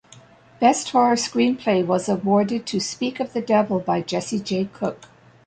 Best Horror Screenplay was awarded to "Speak of the Devil" by Jesse J. Cook.